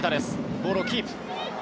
ボールをキープ。